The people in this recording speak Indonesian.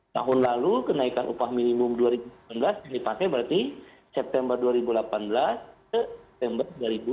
tahun lalu kenaikan upah minimum dua ribu sembilan belas yang dipakai berarti september dua ribu delapan belas ke september dua ribu dua puluh